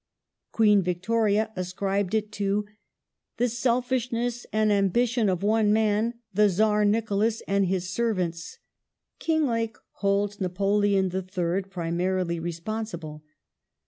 Queen Victoria ascribed __its it to the " selfishness and ambition of one man (the Czar Nicholas) cause and his servants," ^ Kinglake holds Napoleon III. primarily respons ible.